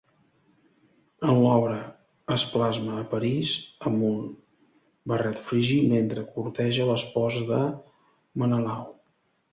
En l'obra es plasma a Paris amb un barret frigi mentre corteja l'esposa de Menelau.